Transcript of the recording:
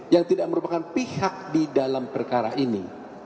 yang tidak merupakan pihak di dalam perkara ini